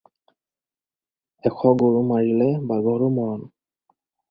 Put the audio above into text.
এশ গৰু মাৰিলে বাঘৰো মৰণ।